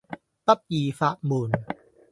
不二法門